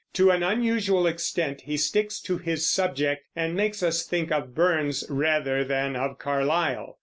To an unusual extent he sticks to his subject, and makes us think of Burns rather than of Carlyle.